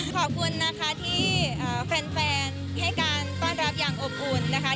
ขอบคุณนะคะที่แฟนให้การต้อนรับอย่างอบอุ่นนะคะ